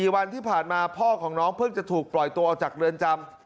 ๔วันที่ผ่านมาพ่อของน้องเพิ่งจะถูกปล่อยตัวออกจากเรือนจำ